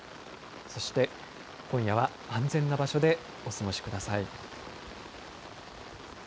そして今夜は、安全な場所でお過ごしください。